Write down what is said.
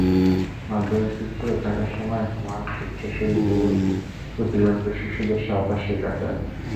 মাধ্যমিক স্কুলে থাকার সময় হুমায়ুন স্বেচ্ছাসেবী হয়ে প্রতিবন্ধী শিশুদের সাঁতার শেখাতেন।